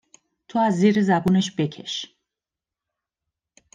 تو از زیر زبونش بکش